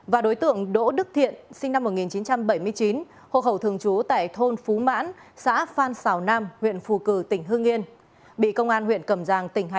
và đối tượng đỗ đức thiện sinh năm một nghìn chín trăm bảy mươi chín hộ khẩu thường trú tại thôn phú mãn xã phan xào nam tp chí linh tỉnh hương yên